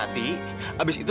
tapi abis itu